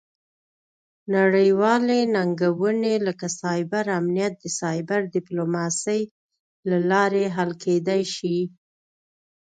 نړیوالې ننګونې لکه سایبر امنیت د سایبر ډیپلوماسي له لارې حل کیدی شي